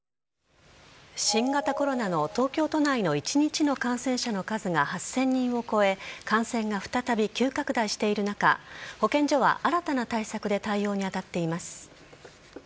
新型コロナの東京都内の一日の感染者の数が８０００人を超え感染が再び急拡大している中保健所は新たな対策で対応に当たっています。